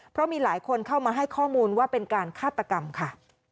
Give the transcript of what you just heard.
เพราะมีหลายคนเข้ามาให้ข้อมูลว่าเป็นการฆาตกรรมค่ะ